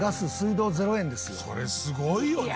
それすごいよね！